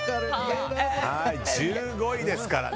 １５位ですからね。